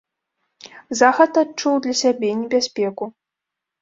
Захад адчуў для сябе небяспеку.